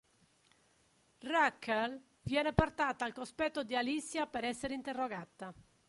Raquel viene portata al cospetto di Alicia per essere interrogata.